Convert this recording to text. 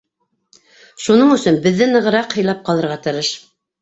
Шуның өсөн беҙҙе нығыраҡ һыйлап ҡалырға тырыш.